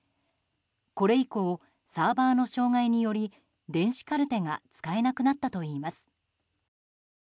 これ以降サーバーの障害により電子カルテが使えなくなったといいます。